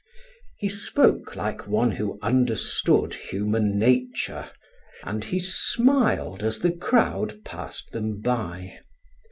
He spoke like one who understood human nature, and he smiled as the crowd passed them by.